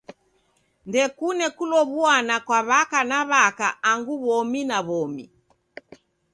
Ndekune kulow'uana kwa w'aka na w'aka angu w'omi na w'omi.